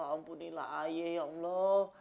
ampunilah ayah ya allah